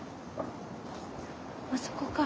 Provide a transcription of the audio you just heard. あそこか。